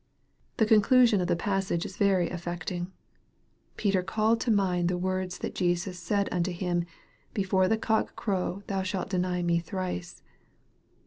The conclusion of the passage is very affecting. "Peter called to mind the words that Jesus said unto him, Before the cock crow thou shalt deny me thrice."